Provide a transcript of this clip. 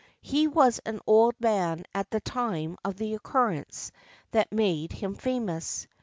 He was an old man at the time of the occurrence that made him famous.